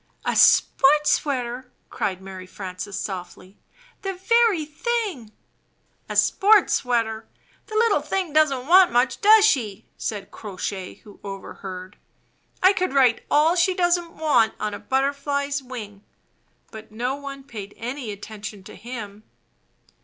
"A sports sweater!" cried Mary Frances, softly. "The very thing!" "A sports sweater! The sweet little thing doesn't want much, does she?" said Crow Shay, who over heard. "I could write all she doesn't want on a butterfly's wing." But no one paid any attention to him.